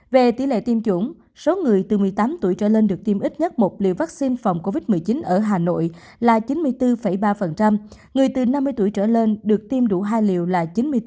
về tỷ lệ tiêm chủng số người từ một mươi tám tuổi trở lên được tiêm ít nhất một liều vaccine phòng covid một mươi chín ở hà nội là chín mươi bốn ba người từ năm mươi tuổi trở lên được tiêm đủ hai liều là chín mươi bốn bốn